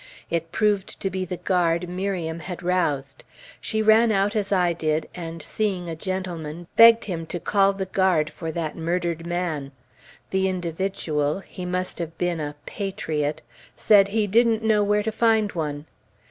It proved to be the guard Miriam had roused. She ran out as I did, and seeing a gentleman, begged him to call the guard for that murdered man. The individual he must have been a "patriot" said he didn't know where to find one.